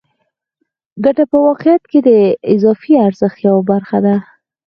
ګته په واقعیت کې د اضافي ارزښت یوه برخه ده